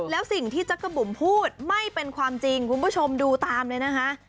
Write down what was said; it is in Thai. แล้วสิ่งที่จักรบุ๋มพูดไม่เป็นความจริงคุณผู้ชมดูตามเลยนะคะ